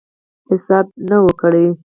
حساب نه وو کړی.